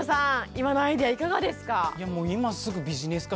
今のアイデアいかがですか？